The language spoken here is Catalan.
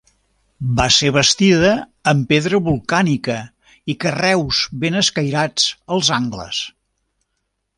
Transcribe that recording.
Va ser bastida amb pedra volcànica i carreus ben escairats als angles.